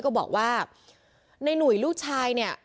ก็บอกว่าในหนุ่ยลูกชายเนี่ย